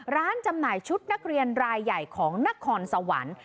จำหน่ายชุดนักเรียนรายใหญ่ของนครสวรรค์